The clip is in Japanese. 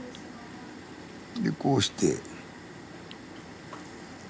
でこうして。